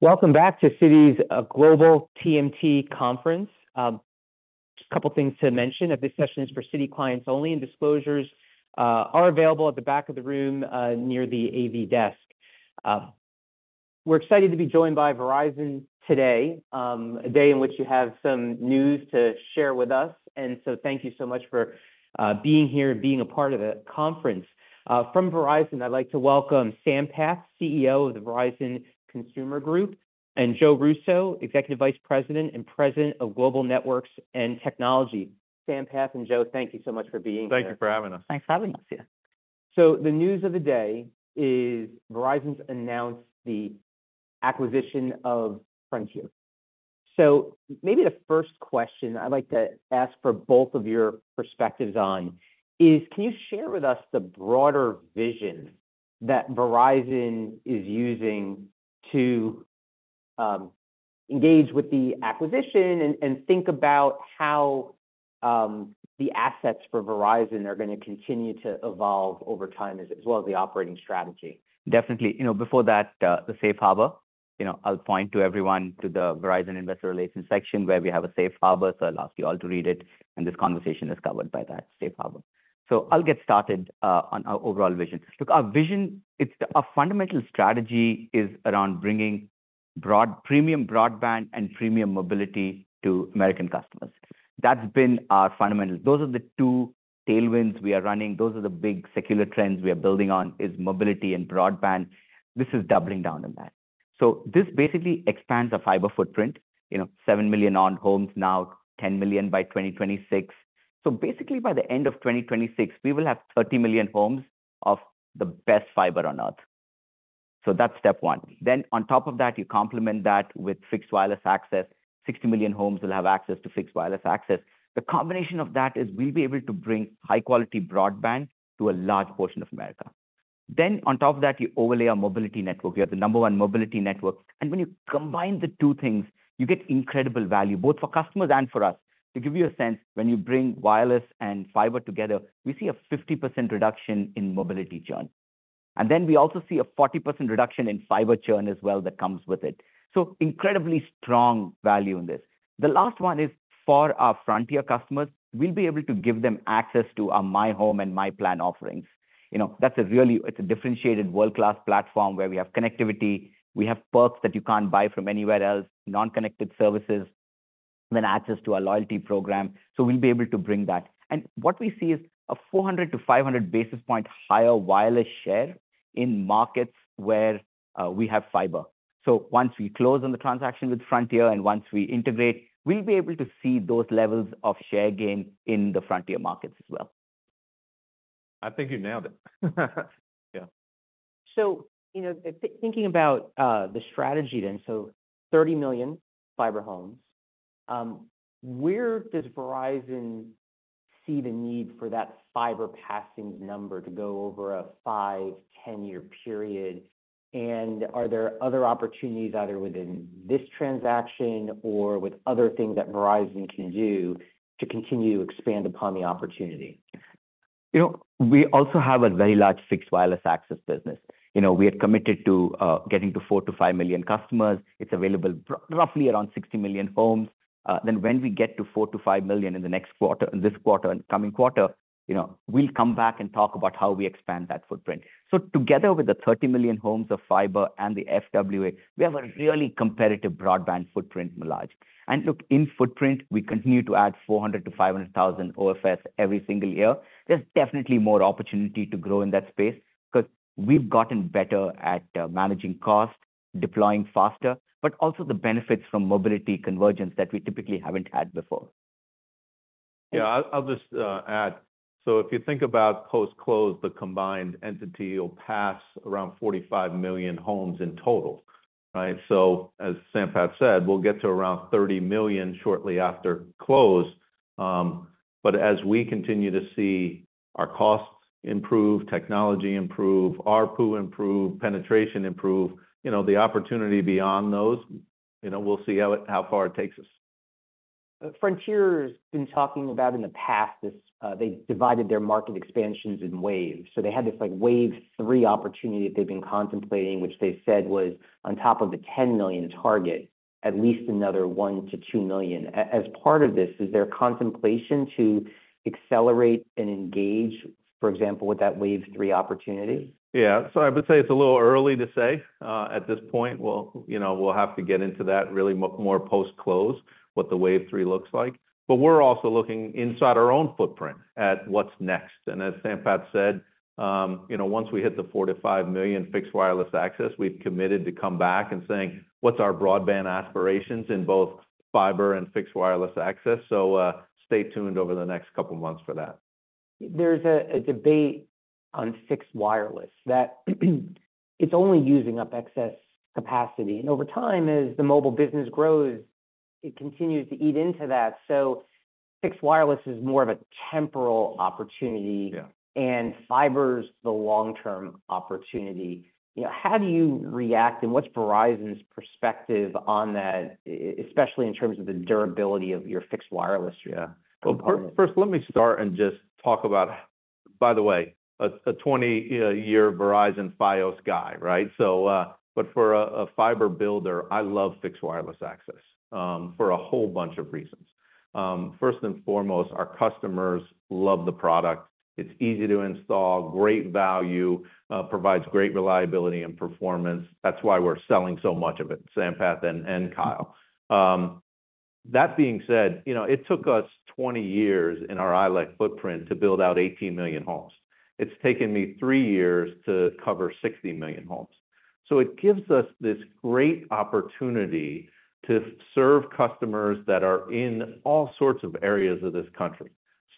Welcome back to Citi's Global TMT Conference. Just a couple of things to mention, that this session is for Citi clients only, and disclosures are available at the back of the room near the AV desk. We're excited to be joined by Verizon today, a day in which you have some news to share with us. And so thank you so much for being here and being a part of the conference. From Verizon, I'd like to welcome Sampath, CEO of the Verizon Consumer Group, and Joe Russo, Executive Vice President and President of Global Networks and Technology. Sampath and Joe, thank you so much for being here. Thank you for having us. Thanks for having us here. So the news of the day is Verizon's announced the acquisition of Frontier. So maybe the first question I'd like to ask for both of your perspectives on is, can you share with us the broader vision that Verizon is using to engage with the acquisition and think about how the assets for Verizon are going to continue to evolve over time, as well as the operating strategy? Definitely. You know, before that, the safe harbor, you know, I'll point to everyone to the Verizon Investor Relations section, where we have a safe harbor. So I'll ask you all to read it, and this conversation is covered by that safe harbor. So I'll get started on our overall vision. Look, our vision, it's our fundamental strategy is around bringing broadband and premium mobility to American customers. That's been our fundamentals. Those are the two tailwinds we are running. Those are the big secular trends we are building on, is mobility and broadband. This is doubling down on that. So this basically expands a fiber footprint, you know, 7 million homes now, 10 million by 2026. So basically, by the end of 2026, we will have 30 million homes of the best fiber on Earth. So that's step one. Then on top of that, you complement that with fixed wireless access. 60 million homes will have access to fixed wireless access. The combination of that is we'll be able to bring high-quality broadband to a large portion of America. Then on top of that, you overlay our mobility network. We are the number one mobility network, and when you combine the two things, you get incredible value, both for customers and for us. To give you a sense, when you bring wireless and fiber together, we see a 50% reduction in mobility churn. And then we also see a 40% reduction in fiber churn as well that comes with it. So incredibly strong value in this. The last one is for our Frontier customers, we'll be able to give them access to myHome and myPlan offerings. You know, that's a really... It's a differentiated world-class platform where we have connectivity, we have perks that you can't buy from anywhere else, non-connected services, then access to our loyalty program, so we'll be able to bring that, and what we see is a 400-500 basis points higher wireless share in markets where we have fiber, so once we close on the transaction with Frontier and once we integrate, we'll be able to see those levels of share gain in the Frontier markets as well. I think you nailed it. Yeah. You know, thinking about the strategy then, so 30 million fiber homes, where does Verizon see the need for that fiber passing number to go over a five- to 10-year period? And are there other opportunities, either within this transaction or with other things that Verizon can do, to continue to expand upon the opportunity? You know, we also have a very large fixed wireless access business. You know, we are committed to getting to 4 million-5 million customers. It's available roughly around 60 million homes. Then when we get to 4 million-5 million in the next quarter, in this quarter and coming quarter, you know, we'll come back and talk about how we expand that footprint. So together with the 30 million homes of fiber and the FWA, we have a really competitive broadband footprint mileage. And look, in footprint, we continue to add 400,000-500,000 OFS every single year. There's definitely more opportunity to grow in that space because we've gotten better at managing costs, deploying faster, but also the benefits from mobility convergence that we typically haven't had before. Yeah, I'll just add. So if you think about post-close, the combined entity will pass around 45 million homes in total, right? So as Sampath said, we'll get to around 30 million shortly after close. But as we continue to see our costs improve, technology improve, ARPU improve, penetration improve, you know, the opportunity beyond those, you know, we'll see how far it takes us. Frontier's been talking about in the past, this, they divided their market expansions in waves. So they had this, like, wave three opportunity that they've been contemplating, which they said was on top of the 10 million target, at least another 1 million-2 million. As part of this, is there contemplation to accelerate and engage, for example, with that wave three opportunity? Yeah. So I would say it's a little early to say at this point. We'll, you know, we'll have to get into that really more post-close, what the wave three looks like. But we're also looking inside our own footprint at what's next. And as Sampath said, you know, once we hit the 4 million-5 million fixed wireless access, we've committed to come back and saying, "What's our broadband aspirations in both fiber and fixed wireless access?" So, stay tuned over the next couple of months for that. There's a debate on fixed wireless, that it's only using up excess capacity. And over time, as the mobile business grows, it continues to eat into that. So fixed wireless is more of a temporal opportunity- Yeah... and fiber's the long-term opportunity. You know, how do you react, and what's Verizon's perspective on that, especially in terms of the durability of your fixed wireless? Yeah. First let me start and just talk about... By the way, a 20-year Verizon Fios guy, right? So, but for a fiber builder, I love fixed wireless access for a whole bunch of reasons. First and foremost, our customers love the product. It's easy to install, great value, provides great reliability and performance. That's why we're selling so much of it, Sampath and Kyle. That being said, you know, it took us 20 years in our ILEC footprint to build out 18 million homes. It's taken me three years to cover 60 million homes. So it gives us this great opportunity to serve customers that are in all sorts of areas of this country.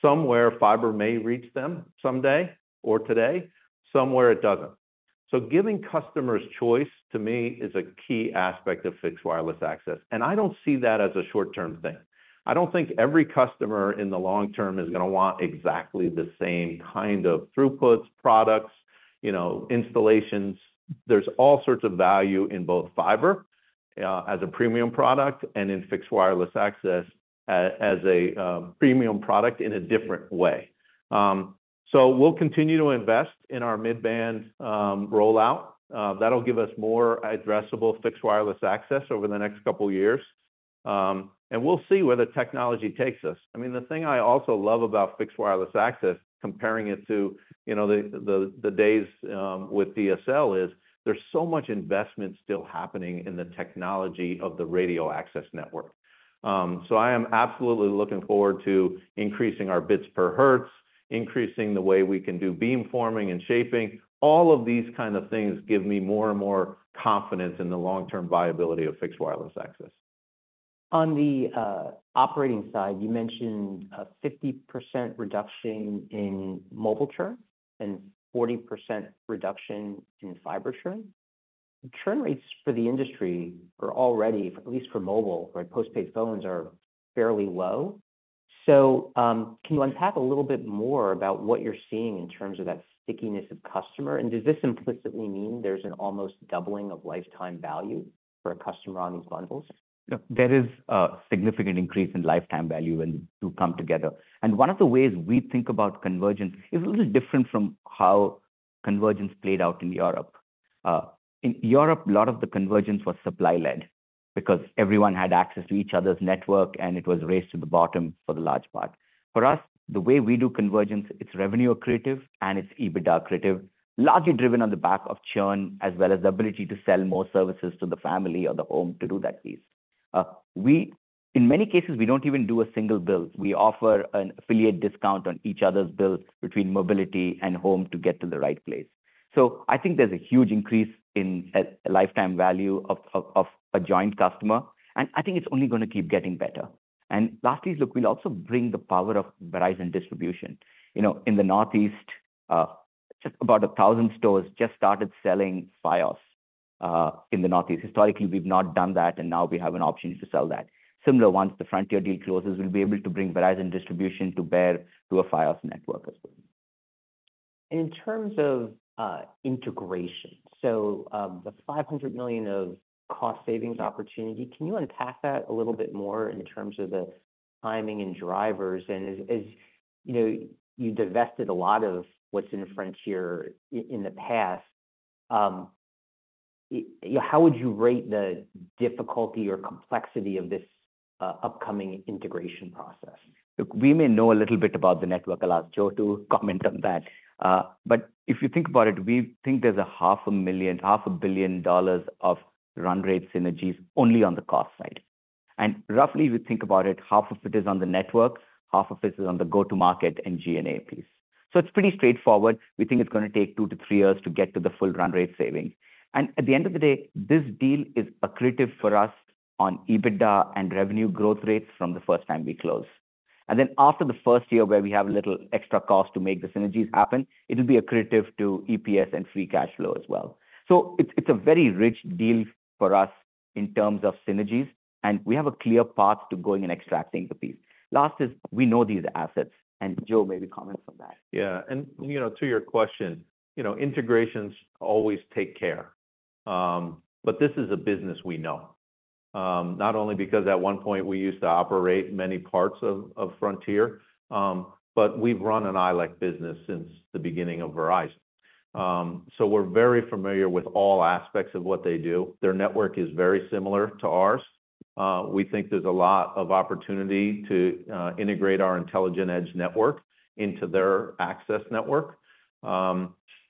Somewhere, fiber may reach them someday or today, somewhere it doesn't. Giving customers choice, to me, is a key aspect of fixed wireless access, and I don't see that as a short-term thing. I don't think every customer in the long term is going to want exactly the same kind of throughputs, products, you know, installations. There's all sorts of value in both fiber as a premium product and in fixed wireless access as a premium product in a different way. So we'll continue to invest in our mid-band rollout. That'll give us more addressable fixed wireless access over the next couple of years. And we'll see where the technology takes us. I mean, the thing I also love about fixed wireless access, comparing it to, you know, the days with DSL, is there's so much investment still happening in the technology of the radio access network. So, I am absolutely looking forward to increasing our bits per hertz, increasing the way we can do beamforming and shaping. All of these kind of things give me more and more confidence in the long-term viability of fixed wireless access. On the operating side, you mentioned a 50% reduction in mobile churn and 40% reduction in fiber churn. Churn rates for the industry are already, at least for mobile, like, postpaid phones, are fairly low. So, can you unpack a little bit more about what you're seeing in terms of that stickiness of customer? And does this implicitly mean there's an almost doubling of lifetime value for a customer on these bundles? Yeah, there is a significant increase in lifetime value when two come together. And one of the ways we think about convergence is a little different from how convergence played out in Europe. In Europe, a lot of the convergence was supply-led because everyone had access to each other's network, and it was a race to the bottom for the large part. For us, the way we do convergence, it's revenue accretive, and it's EBITDA accretive, largely driven on the back of churn, as well as the ability to sell more services to the family or the home to do that piece. In many cases, we don't even do a single bill. We offer an affiliate discount on each other's bills between mobility and home to get to the right place. I think there's a huge increase in a lifetime value of a joint customer, and I think it's only going to keep getting better. Lastly, look, we'll also bring the power of Verizon distribution. You know, in the Northeast, just about 1,000 stores just started selling Fios in the Northeast. Historically, we've not done that, and now we have an opportunity to sell that. Similar, once the Frontier deal closes, we'll be able to bring Verizon distribution to bear to a Fios network as well. In terms of integration, so, the $500 million of cost savings opportunity, can you unpack that a little bit more in terms of the timing and drivers? And as you know, you divested a lot of what's in Frontier in the past, how would you rate the difficulty or complexity of this upcoming integration process? Look, we may know a little bit about the network. I'll ask Joe to comment on that. But if you think about it, we think there's $500 million of run rate synergies only on the cost side, and roughly, we think about it, half of it is on the network, half of it is on the go-to-market and G&A piece, so it's pretty straightforward. We think it's going to take two to three years to get to the full run rate saving, and at the end of the day, this deal is accretive for us on EBITDA and revenue growth rates from the first time we close, and then after the first year, where we have a little extra cost to make the synergies happen, it will be accretive to EPS and free cash flow as well. So it's a very rich deal for us in terms of synergies, and we have a clear path to going and extracting the piece. Lastly, we know these assets, and Joe maybe comment on that. Yeah, and, you know, to your question, you know, integrations always take care. But this is a business we know. Not only because at one point we used to operate many parts of Frontier, but we've run an ILEC business since the beginning of Verizon. So we're very familiar with all aspects of what they do. Their network is very similar to ours. We think there's a lot of opportunity to integrate our Intelligent Edge Network into their access network.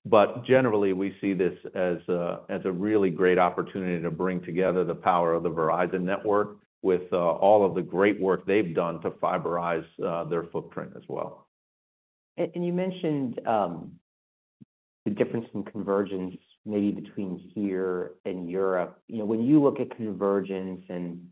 But generally, we see this as a really great opportunity to bring together the power of the Verizon network with all of the great work they've done to fiberize their footprint as well. And you mentioned the difference in convergence maybe between here and Europe. You know, when you look at convergence and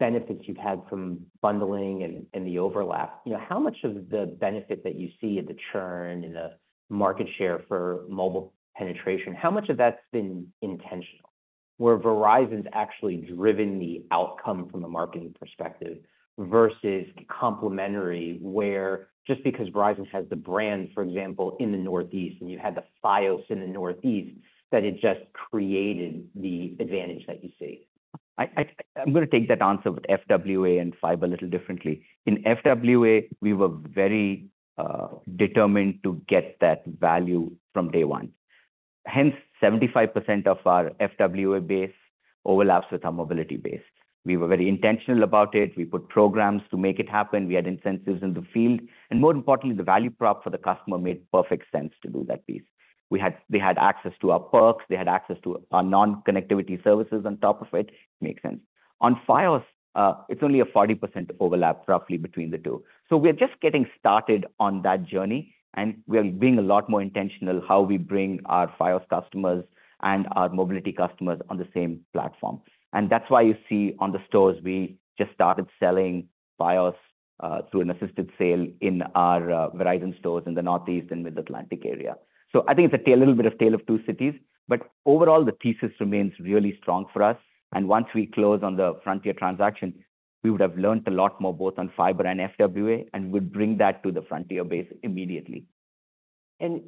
the benefits you've had from bundling and the overlap, you know, how much of the benefit that you see in the churn and the market share for mobile penetration, how much of that's been intentional, where Verizon's actually driven the outcome from a marketing perspective versus complementary, where just because Verizon has the brand, for example, in the Northeast, and you had the Fios in the Northeast, that it just created the advantage that you see? I'm going to take that answer with FWA and fiber a little differently. In FWA, we were very determined to get that value from day one. Hence, 75% of our FWA base overlaps with our mobility base. We were very intentional about it. We put programs to make it happen. We had incentives in the field, and more importantly, the value prop for the customer made perfect sense to do that piece. They had access to our perks, they had access to our non-connectivity services on top of it. Makes sense. On Fios, it's only a 40% overlap, roughly, between the two. So we are just getting started on that journey, and we are being a lot more intentional how we bring our Fios customers and our mobility customers on the same platform. And that's why you see on the stores, we just started selling Fios through an assisted sale in our Verizon stores in the Northeast and Mid-Atlantic area. So I think it's a tale, a little bit of Tale of Two Cities, but overall, the thesis remains really strong for us, and once we close on the Frontier transaction, we would have learned a lot more, both on fiber and FWA, and would bring that to the Frontier base immediately. And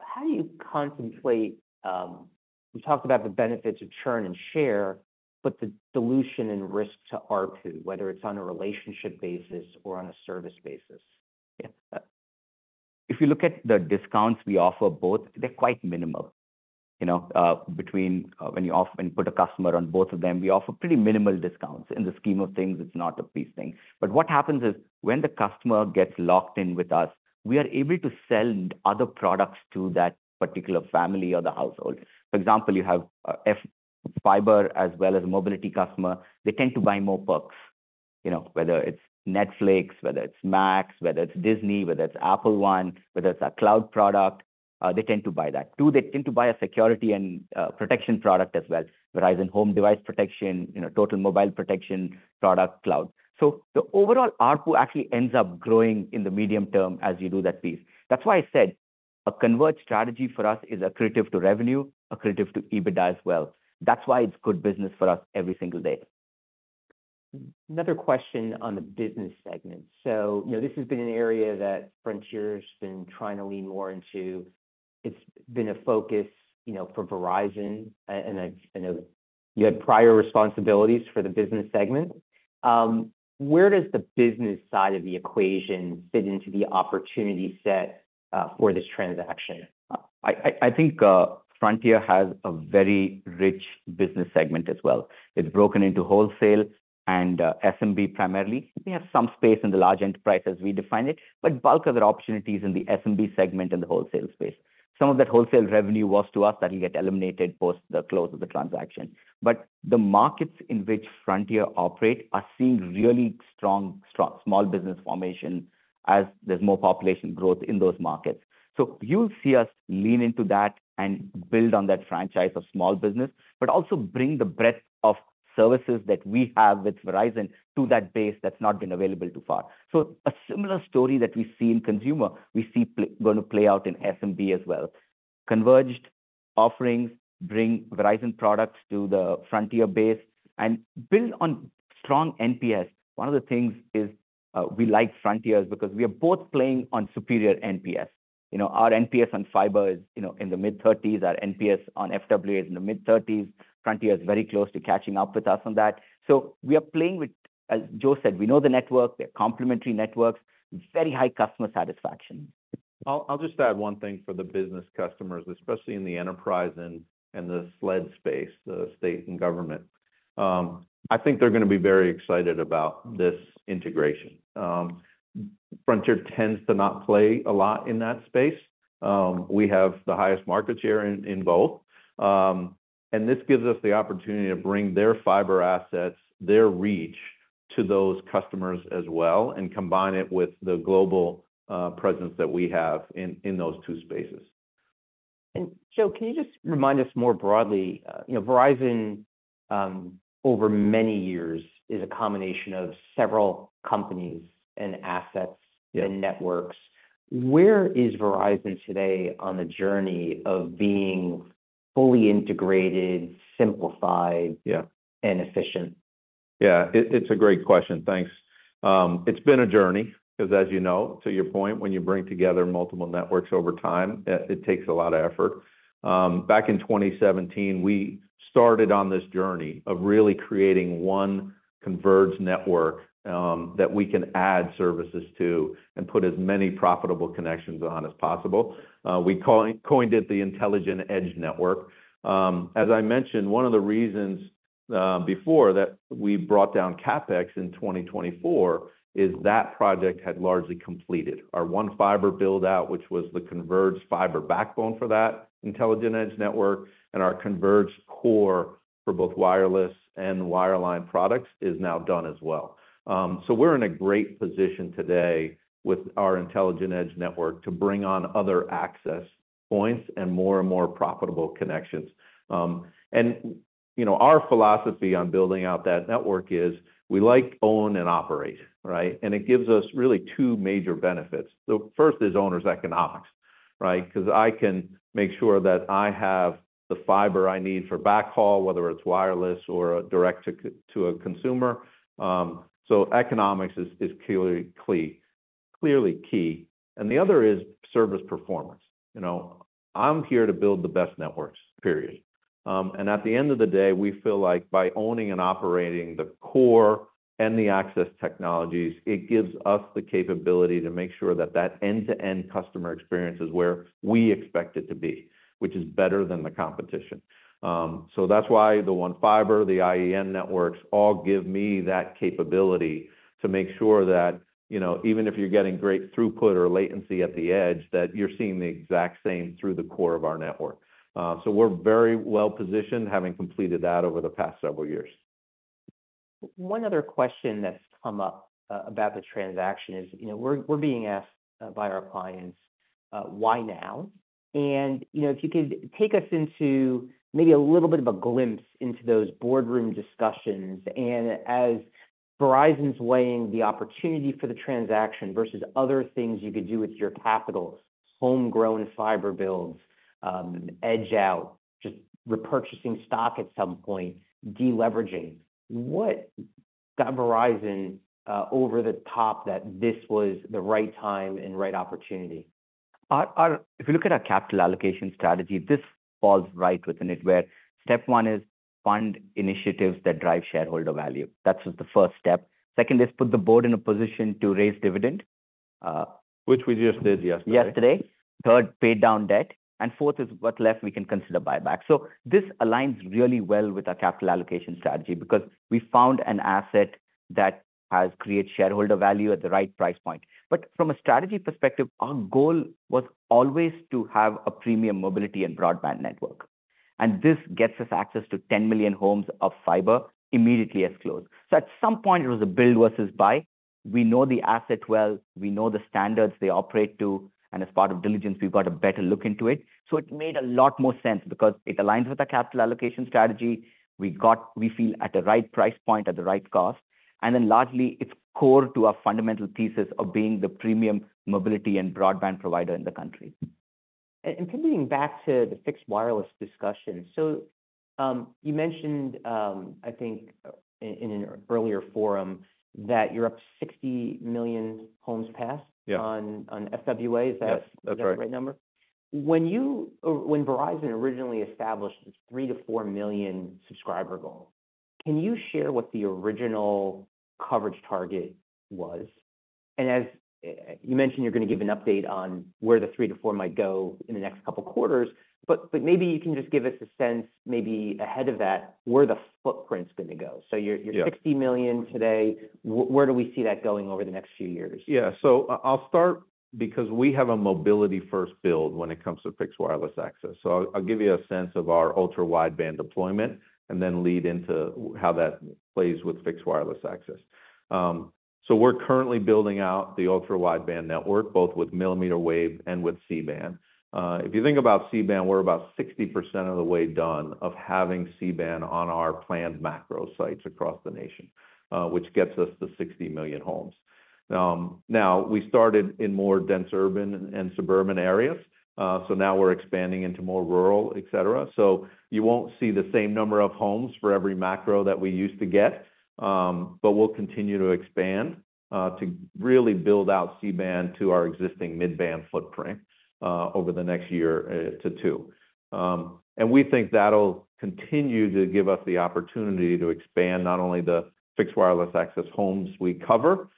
how do you contemplate... You talked about the benefits of churn and share, but the dilution and risk to ARPU, whether it's on a relationship basis or on a service basis? Yeah. If you look at the discounts we offer both, they're quite minimal. You know, between, when you put a customer on both of them, we offer pretty minimal discounts. In the scheme of things, it's not a big thing. But what happens is, when the customer gets locked in with us, we are able to sell other products to that particular family or the household. For example, you have fiber as well as mobility customer, they tend to buy more perks. You know, whether it's Netflix, whether it's Max, whether it's Disney, whether it's Apple One, whether it's a cloud product, they tend to buy that. Too, they tend to buy a security and protection product as well. Verizon Home Device Protection, you know, Total Mobile Protection, product cloud. So the overall ARPU actually ends up growing in the medium term as you do that piece. That's why I said, a converged strategy for us is accretive to revenue, accretive to EBITDA as well. That's why it's good business for us every single day. Another question on the business segment, so you know, this has been an area that Frontier has been trying to lean more into. It's been a focus, you know, for Verizon, and I know you had prior responsibilities for the business segment. Where does the business side of the equation fit into the opportunity set, for this transaction? I think Frontier has a very rich business segment as well. It's broken into wholesale and SMB, primarily. We have some space in the large enterprise as we define it, but bulk of their opportunity is in the SMB segment and the wholesale space. Some of that wholesale revenue was to us. That will get eliminated post the close of the transaction. But the markets in which Frontier operate are seeing really strong small business formation as there's more population growth in those markets. So you'll see us lean into that and build on that franchise of small business, but also bring the breadth of services that we have with Verizon to that base that's not been available too far. So a similar story that we see in consumer, we see going to play out in SMB as well. Converged offerings bring Verizon products to the Frontier base and build on strong NPS. One of the things is, we like Frontier, because we are both playing on superior NPS. You know, our NPS on fiber is, you know, in the mid-30s, our NPS on FWA is in the mid-30s. Frontier is very close to catching up with us on that. So we are playing with... As Joe said, we know the network, they're complementary networks, very high customer satisfaction. I'll just add one thing for the business customers, especially in the enterprise and the SLED space, the state and government. I think they're going to be very excited about this integration. Frontier tends to not play a lot in that space. We have the highest market share in both, and this gives us the opportunity to bring their fiber assets, their reach to those customers as well, and combine it with the global presence that we have in those two spaces. And Joe, can you just remind us more broadly, you know, Verizon, over many years is a combination of several companies and assets? Yeah... and networks. Where is Verizon today on the journey of being fully integrated, simplified- Yeah - and efficient? Yeah, it's a great question. Thanks. It's been a journey, because as you know, to your point, when you bring together multiple networks over time, it takes a lot of effort. Back in 2017, we started on this journey of really creating one converged network, that we can add services to and put as many profitable connections on as possible. We coined it the Intelligent Edge Network. As I mentioned, one of the reasons before that we brought down CapEx in 2024 is that project had largely completed. Our one fiber build-out, which was the converged fiber backbone for that Intelligent Edge Network, and our converged core for both wireless and wireline products, is now done as well. So we're in a great position today with our Intelligent Edge Network to bring on other access points and more and more profitable connections, and, you know, our philosophy on building out that network is, we like own and operate, right? And it gives us really two major benefits. The first is owners' economics, right? Because I can make sure that I have the fiber I need for backhaul, whether it's wireless or direct to a consumer. So economics is clearly key, and the other is service performance. You know, I'm here to build the best networks, period. And at the end of the day, we feel like by owning and operating the core and the access technologies, it gives us the capability to make sure that that end-to-end customer experience is where we expect it to be, which is better than the competition. So that's why the one fiber, the IEN networks, all give me that capability to make sure that, you know, even if you're getting great throughput or latency at the edge, that you're seeing the exact same through the core of our network. So we're very well-positioned, having completed that over the past several years. One other question that's come up about the transaction is, you know, we're being asked by our clients why now? And, you know, if you could take us into maybe a little bit of a glimpse into those boardroom discussions, and as Verizon's weighing the opportunity for the transaction versus other things you could do with your capital, homegrown fiber builds, edge out, just repurchasing stock at some point, deleveraging. What got Verizon over the top that this was the right time and right opportunity? If you look at our capital allocation strategy, this falls right within it, where step one is fund initiatives that drive shareholder value. That's the first step. Second, is put the board in a position to raise dividend. Which we just did yesterday. Yesterday. Third, pay down debt, and fourth is what's left we can consider buyback, so this aligns really well with our capital allocation strategy because we found an asset that has created shareholder value at the right price point, but from a strategy perspective, our goal was always to have a premium mobility and broadband network, and this gets us access to 10 million homes of fiber immediately as closed, so at some point, it was a build versus buy. We know the asset well, we know the standards they operate to, and as part of diligence, we've got a better look into it, so it made a lot more sense because it aligns with our capital allocation strategy. We got, we feel, at the right price point, at the right cost, and then largely, it's core to our fundamental thesis of being the premium mobility and broadband provider in the country. And pivoting back to the fixed wireless discussion. So, you mentioned, I think in an earlier forum, that you're up 60 million homes passed- Yeah on, on FWA. Yes. Is that the right number? That's right. When Verizon originally established 3 million-4 million subscriber goal, can you share what the original coverage target was? And as you mentioned, you're going to give an update on where the three to four might go in the next couple of quarters, but maybe you can just give us a sense, maybe ahead of that, where the footprint's going to go. Yeah. You're 60 million today. Where do we see that going over the next few years? Yeah. So I'll start because we have a mobility-first build when it comes to fixed wireless access. So I'll give you a sense of our Ultra Wideband deployment and then lead into how that plays with fixed wireless access. So we're currently building out the Ultra Wideband network, both with mmWave and with C-band. If you think about C-band, we're about 60% of the way done of having C-band on our planned macro sites across the nation, which gets us to 60 million homes. Now, we started in more dense, urban and suburban areas, so now we're expanding into more rural, etc. So you won't see the same number of homes for every macro that we used to get, but we'll continue to expand to really build out C-band to our existing mid-band footprint over the next year to two, and we think that'll continue to give us the opportunity to expand not only the fixed wireless access homes we cover,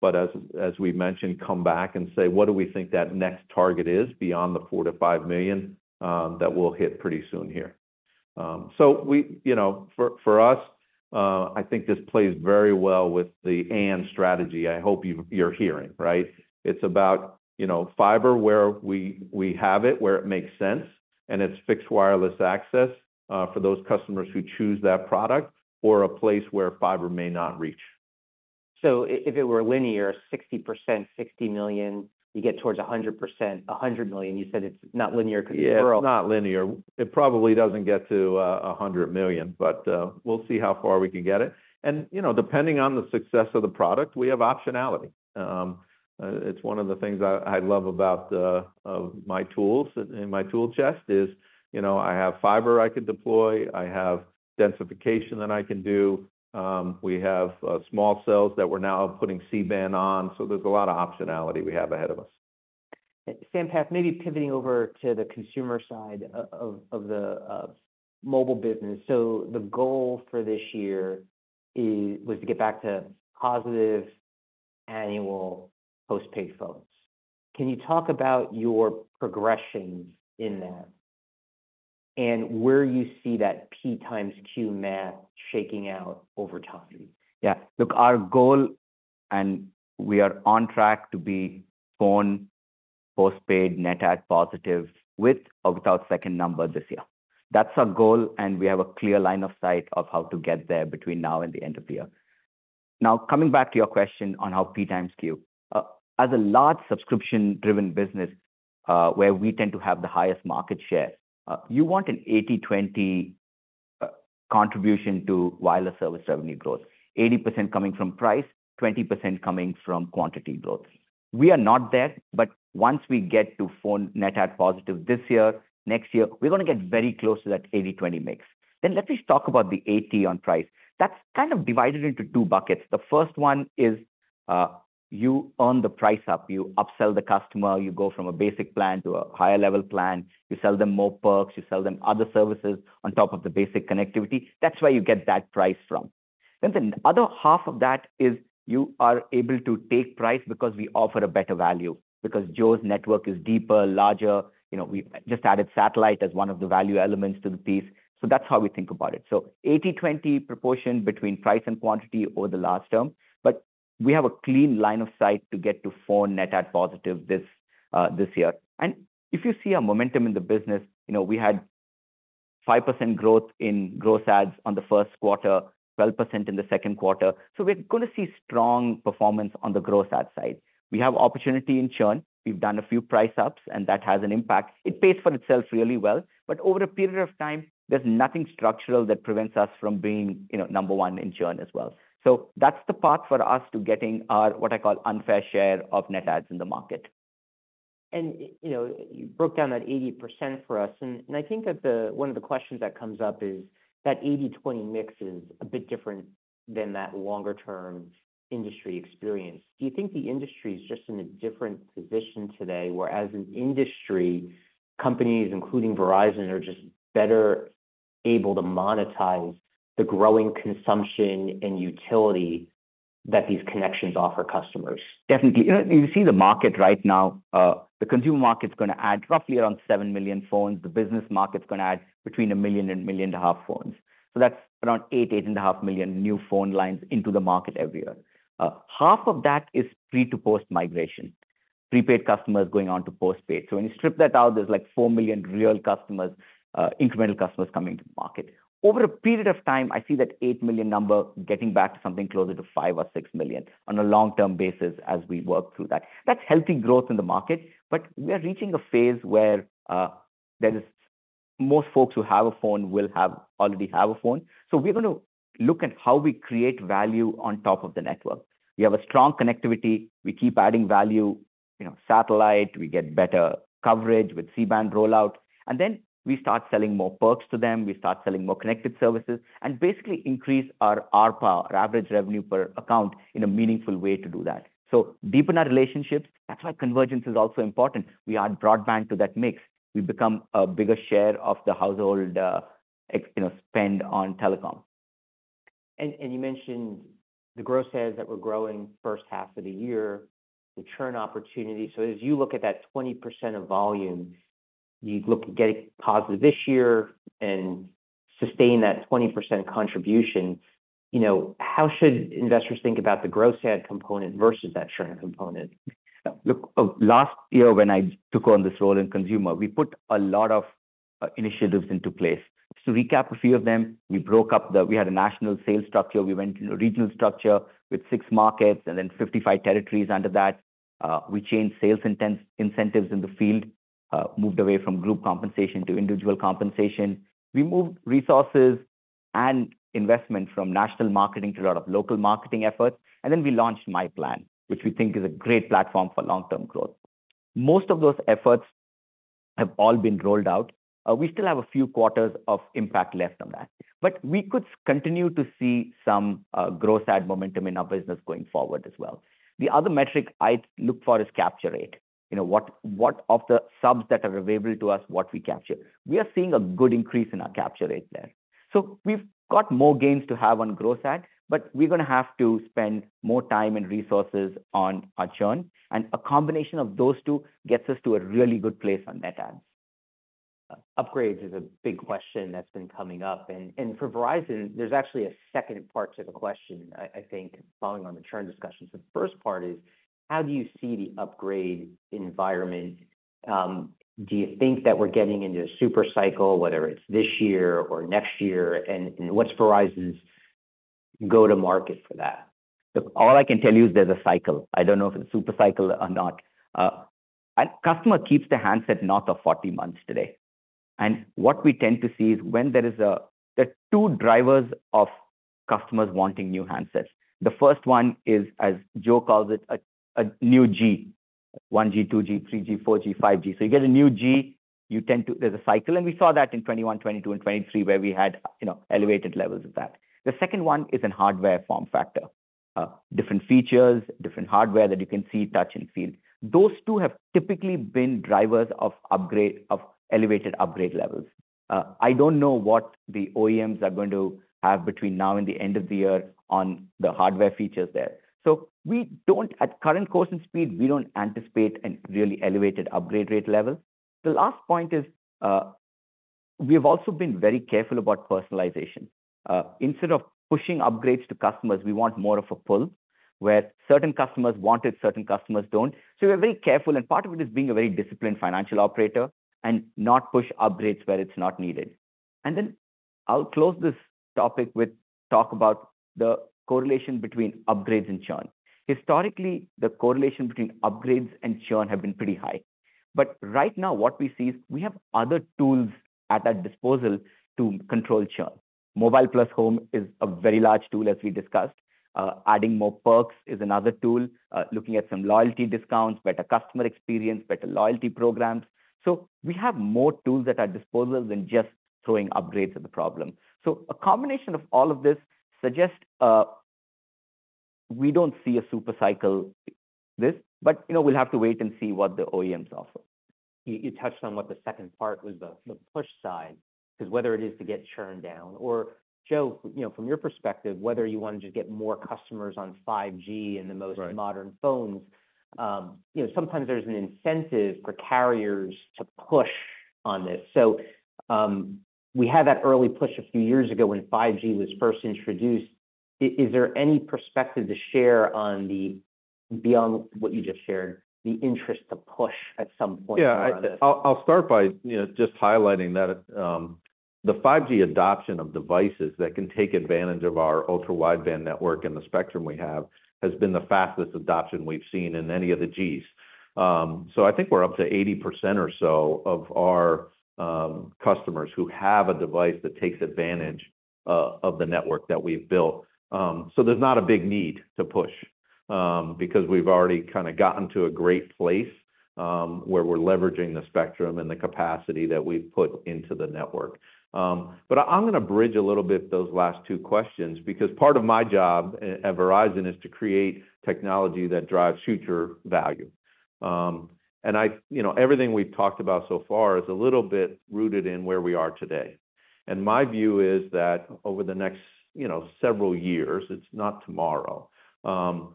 but as we've mentioned, come back and say, what do we think that next target is beyond the 4 million-5 million that we'll hit pretty soon here. So we... You know, for us, I think this plays very well with the end strategy I hope you're hearing, right? It's about, you know, fiber, where we have it, where it makes sense, and it's fixed wireless access for those customers who choose that product or a place where fiber may not reach. So if it were linear, 60%, 60 million, you get towards a 100%, 100 million. You said it's not linear because it's rural. Yeah, it's not linear. It probably doesn't get to 100 million, but we'll see how far we can get it, and you know, depending on the success of the product, we have optionality. It's one of the things I love about my tools in my tool chest is, you know, I have fiber I could deploy, I have densification that I can do, we have small cells that we're now putting C-Band on, so there's a lot of optionality we have ahead of us. Sampath, maybe pivoting over to the consumer side of the mobile business. So the goal for this year was to get back to positive annual postpaid phones. Can you talk about your progressions in that, and where you see that P x Q math shaking out over time? Yeah. Look, our goal, and we are on track to be phone postpaid net add positive, with or without second number this year. That's our goal, and we have a clear line of sight of how to get there between now and the end of the year. Now, coming back to your question on how P x Q. As a large subscription-driven business, where we tend to have the highest market share, you want an 80/20 contribution to wireless service revenue growth. 80% coming from price, 20% coming from quantity growth. We are not there, but once we get to phone net add positive this year, next year, we're going to get very close to that 80/20 mix. Then let me talk about the 80 on price. That's kind of divided into two buckets. The first one is... You earn the price up, you upsell the customer, you go from a basic plan to a higher level plan. You sell them more perks, you sell them other services on top of the basic connectivity. That's where you get that price from. Then the other half of that is you are able to take price because we offer a better value, because Joe's network is deeper, larger. You know, we just added satellite as one of the value elements to the piece. So that's how we think about it. So 80/20 proportion between price and quantity over the last term, but we have a clean line of sight to get to phone net add positive this year. If you see a momentum in the business, you know, we had 5% growth in growth adds on the first quarter, 12% in the second quarter, so we're gonna see strong performance on the growth add side. We have opportunity in churn. We've done a few price ups, and that has an impact. It pays for itself really well, but over a period of time, there's nothing structural that prevents us from being, you know, number one in churn as well. So that's the path for us to getting our, what I call, unfair share of net adds in the market. You know, you broke down that 80% for us, and I think that the one of the questions that comes up is that 80/20 mix is a bit different than that longer term industry experience. Do you think the industry is just in a different position today, where as an industry, companies, including Verizon, are just better able to monetize the growing consumption and utility that these connections offer customers? Definitely. You know, you see the market right now, the consumer market's gonna add roughly around 7 million phones. The business market's gonna add between 1 million and 1.5 million phones. So that's around eight, 8.5 million new phone lines into the market every year. Half of that is pre to post migration, prepaid customers going on to postpaid. So when you strip that out, there's, like, 4 million real customers, incremental customers coming to the market. Over a period of time, I see that 8 million number getting back to something closer to five or 6 million on a long-term basis as we work through that. That's healthy growth in the market, but we are reaching a phase where there is... most folks who have a phone will have, already have a phone. So we're gonna look at how we create value on top of the network. We have a strong connectivity. We keep adding value, you know, satellite, we get better coverage with C-band rollout, and then we start selling more perks to them. We start selling more connected services, and basically increase our ARPA, our average revenue per account, in a meaningful way to do that. So deepen our relationships. That's why convergence is also important. We add broadband to that mix. We become a bigger share of the household, you know, spend on telecom. You mentioned the growth adds that were growing first half of the year, the churn opportunity. So as you look at that 20% of volume, you look at getting positive this year and sustain that 20% contribution, you know. How should investors think about the growth add component versus that churn component? Look, last year, when I took on this role in consumer, we put a lot of initiatives into place. To recap a few of them, we broke up the national sales structure. We went to a regional structure with six markets and then 55 territories under that. We changed sales incentives in the field, moved away from group compensation to individual compensation. We moved resources and investment from national marketing to a lot of local marketing efforts. And then we launched myPlan, which we think is a great platform for long-term growth. Most of those efforts have all been rolled out. We still have a few quarters of impact left on that, but we could continue to see some growth add momentum in our business going forward as well. The other metric I'd look for is capture rate. You know, what of the subs that are available to us, what we capture. We are seeing a good increase in our capture rate there, so we've got more gains to have on growth add, but we're gonna have to spend more time and resources on our churn, and a combination of those two gets us to a really good place on net adds. Upgrades is a big question that's been coming up, and for Verizon, there's actually a second part to the question, I think, following on the churn discussions. The first part is, how do you see the upgrade environment? Do you think that we're getting into a super cycle, whether it's this year or next year, and what's Verizon's go-to-market for that? Look, all I can tell you is there's a cycle. I don't know if it's a super cycle or not. A customer keeps the handset not for 40 months today, and what we tend to see is there are two drivers of customers wanting new handsets. The first one is, as Joe calls it, a new G, 1G, 2G, 3G, 4G, 5G. So you get a new G, you tend to... There's a cycle, and we saw that in 2021, 2022 and 2023, where we had, you know, elevated levels of that. The second one is in hardware form factor, different features, different hardware that you can see, touch and feel. Those two have typically been drivers of upgrade, of elevated upgrade levels. I don't know what the OEMs are going to have between now and the end of the year on the hardware features there. So we don't at current course and speed anticipate any really elevated upgrade rate level. The last point is, we've also been very careful about personalization. Instead of pushing upgrades to customers, we want more of a pull, where certain customers want it, certain customers don't. So we're very careful, and part of it is being a very disciplined financial operator and not push upgrades where it's not needed. And then I'll close this topic with talk about the correlation between upgrades and churn. Historically, the correlation between upgrades and churn have been pretty high, but right now what we see is we have other tools at our disposal to control churn. Mobile plus home is a very large tool, as we discussed. Adding more perks is another tool, looking at some loyalty discounts, better customer experience, better loyalty programs. So we have more tools at our disposal than just throwing upgrades at the problem. So a combination of all of this suggests we don't see a super cycle this, but you know, we'll have to wait and see what the OEMs offer. You touched on what the second part was, the push side, 'cause whether it is to get churn down or, Joe, you know, from your perspective, whether you want to just get more customers on 5G and the most- Right Modern phones, you know, sometimes there's an incentive for carriers to push on this. So, we had that early push a few years ago when 5G was first introduced. Is there any perspective to share on the, beyond what you just shared, the interest to push at some point or other? Yeah, I'll start by, you know, just highlighting that, the 5G adoption of devices that can take advantage of our Ultra Wideband network and the spectrum we have, has been the fastest adoption we've seen in any of the Gs. So I think we're up to 80% or so of our customers who have a device that takes advantage of the network that we've built. So there's not a big need to push, because we've already kind of gotten to a great place, where we're leveraging the spectrum and the capacity that we've put into the network. But I'm going to bridge a little bit those last two questions, because part of my job at Verizon is to create technology that drives future value. And I, you know, everything we've talked about so far is a little bit rooted in where we are today. And my view is that over the next, you know, several years, it's not tomorrow,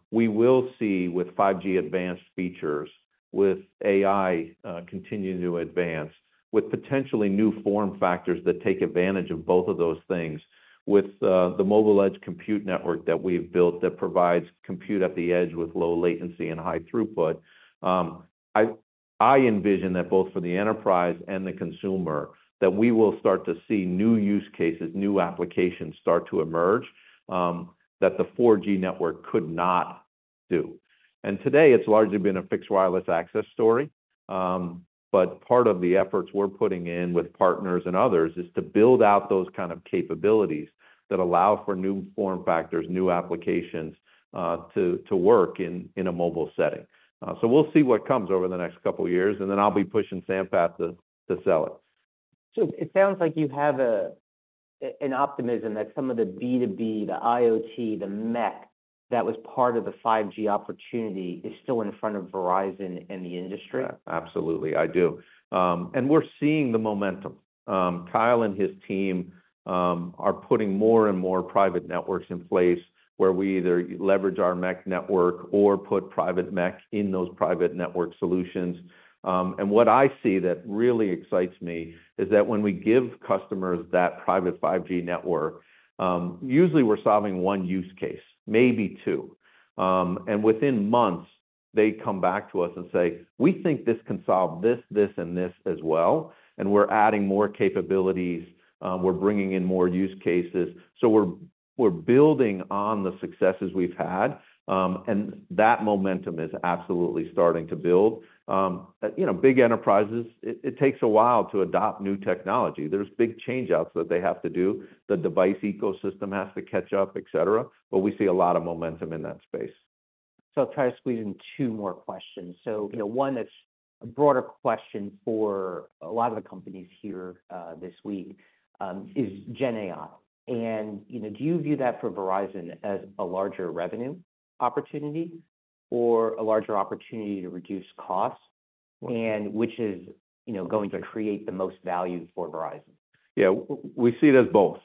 we will see with 5G Advanced features, with AI continuing to advance, with potentially new form factors that take advantage of both of those things, with the Mobile Edge Compute network that we've built, that provides compute at the edge with low latency and high throughput. I envision that both for the enterprise and the consumer, that we will start to see new use cases, new applications start to emerge, that the 4G network could not do. And today, it's largely been a fixed wireless access story, but part of the efforts we're putting in with partners and others is to build out those kind of capabilities that allow for new form factors, new applications, to work in a mobile setting. So we'll see what comes over the next couple of years, and then I'll be pushing Sampath to sell it. So it sounds like you have an optimism that some of the B2B, the IoT, the MEC, that was part of the 5G opportunity is still in front of Verizon and the industry? Absolutely, I do, and we're seeing the momentum. Kyle and his team are putting more and more private networks in place where we either leverage our MEC network or put private MEC in those private network solutions, and what I see that really excites me is that when we give customers that private 5G network, usually we're solving one use case, maybe two, and within months, they come back to us and say: "We think this can solve this, this, and this as well, and we're adding more capabilities, we're bringing in more use cases." So we're building on the successes we've had, and that momentum is absolutely starting to build. You know, big enterprises, it takes a while to adopt new technology. There's big change outs that they have to do. The device ecosystem has to catch up, et cetera, but we see a lot of momentum in that space. So I'll try to squeeze in two more questions. So, you know, one that's a broader question for a lot of the companies here, this week, is GenAI. And, you know, do you view that for Verizon as a larger revenue opportunity or a larger opportunity to reduce costs? And which is, you know, going to create the most value for Verizon? Yeah, we see it as both.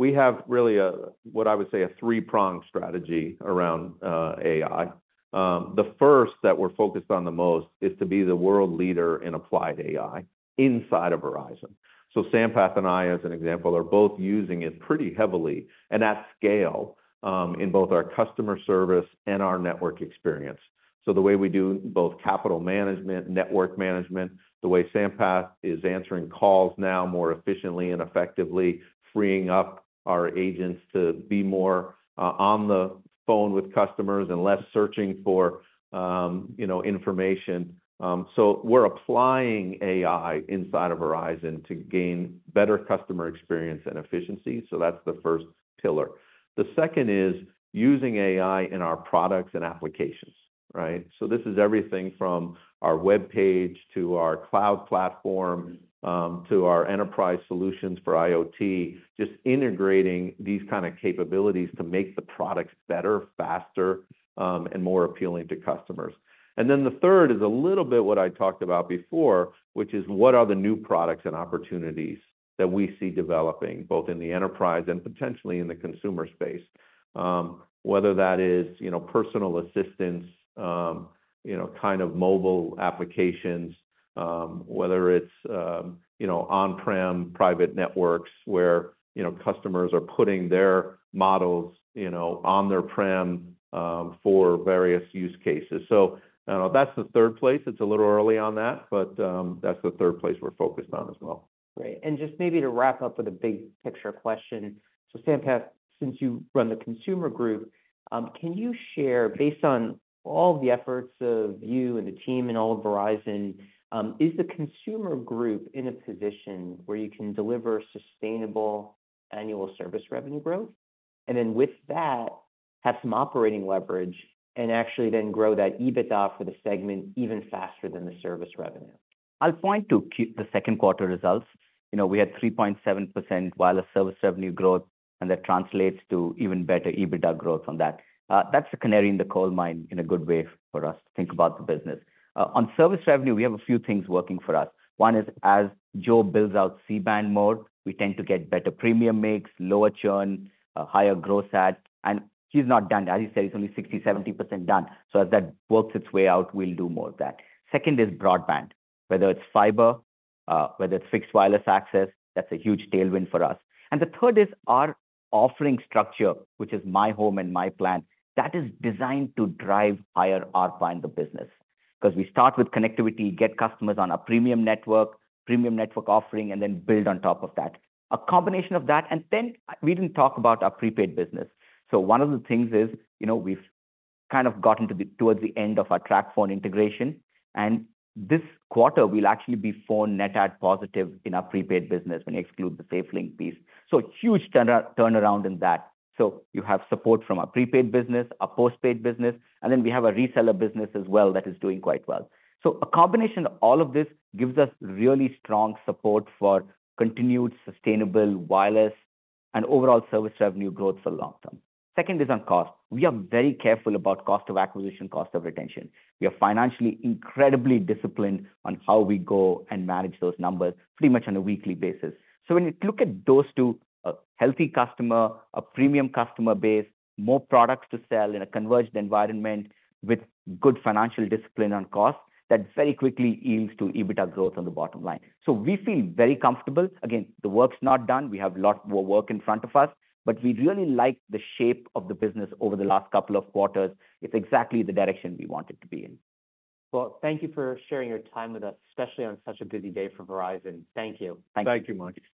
We have really a, what I would say, a three-pronged strategy around AI. The first that we're focused on the most is to be the world leader in applied AI inside of Verizon. So Sampath and I, as an example, are both using it pretty heavily and at scale, in both our customer service and our network experience. So the way we do both capital management, network management, the way Sampath is answering calls now more efficiently and effectively, freeing up our agents to be more, on the phone with customers and less searching for, you know, information. So we're applying AI inside of Verizon to gain better customer experience and efficiency. So that's the first pillar. The second is using AI in our products and applications, right? So this is everything from our web page, to our cloud platform, to our enterprise solutions for IoT, just integrating these kind of capabilities to make the products better, faster, and more appealing to customers. And then the third is a little bit what I talked about before, which is what are the new products and opportunities that we see developing, both in the enterprise and potentially in the consumer space? Whether that is, you know, personal assistance, you know, kind of mobile applications, whether it's, you know, on-prem private networks, where, you know, customers are putting their models, you know, on their prem, for various use cases. So, that's the third place. It's a little early on that, but, that's the third place we're focused on as well. Great. And just maybe to wrap up with a big picture question. So Sampath, since you run the consumer group, can you share, based on all the efforts of you and the team and all of Verizon, is the consumer group in a position where you can deliver sustainable annual service revenue growth?...And then with that, have some operating leverage and actually then grow that EBITDA for the segment even faster than the service revenue. I'll point to the second quarter results. You know, we had 3.7% wireless service revenue growth, and that translates to even better EBITDA growth on that. That's the canary in the coal mine in a good way for us to think about the business. On service revenue, we have a few things working for us. One is, as Joe builds out C-band mode, we tend to get better premium mix, lower churn, a higher gross add, and he's not done. As he said, he's only 60%-70% done. So as that works its way out, we'll do more of that. Second is broadband, whether it's fiber, whether it's fixed wireless access, that's a huge tailwind for us. And the third is our offering structure, which is myHome and myPlan. That is designed to drive higher ARPA in the business. Because we start with connectivity, get customers on a premium network, premium network offering, and then build on top of that, a combination of that, and then we didn't talk about our prepaid business, so one of the things is, you know, we've kind of gotten towards the end of our TracFone integration, and this quarter will actually be phone net add positive in our prepaid business, when you exclude the SafeLink piece, so huge turnaround in that, so you have support from our prepaid business, our postpaid business, and then we have a reseller business as well, that is doing quite well, so a combination of all of this gives us really strong support for continued sustainable wireless and overall service revenue growth for long term. Second is on cost. We are very careful about cost of acquisition, cost of retention. We are financially incredibly disciplined on how we go and manage those numbers, pretty much on a weekly basis. So when you look at those two, a healthy customer, a premium customer base, more products to sell in a converged environment with good financial discipline on cost, that very quickly yields to EBITDA growth on the bottom line. So we feel very comfortable. Again, the work's not done. We have a lot more work in front of us, but we really like the shape of the business over the last couple of quarters. It's exactly the direction we want it to be in. Thank you for sharing your time with us, especially on such a busy day for Verizon. Thank you. Thank you. Thank you much.